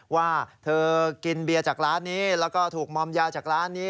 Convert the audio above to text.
ว่าเธอกินเบียร์จากร้านนี้แล้วก็ถูกมอมยาจากร้านนี้